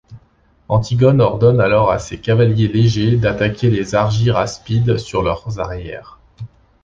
Antigone ordonne alors à ses cavaliers légers d'attaquer les Argyraspides sur leurs arrières.